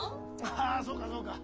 ああそうかそうか。